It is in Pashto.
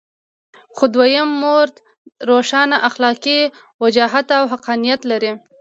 خو دویم مورد روښانه اخلاقي وجاهت او حقانیت لري.